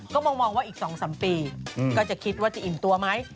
ก็มองว่าอีก๒๓ปีก็จะคิดว่าจะอิ่มตัวไหม